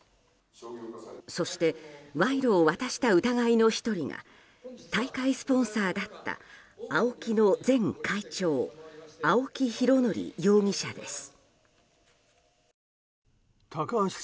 そして賄賂を渡した疑いの１人が大会スポンサーだったＡＯＫＩの前会長青木拡憲容疑者です。